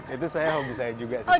itu hobi saya juga sih sebenernya